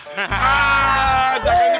haaaa jangan gitu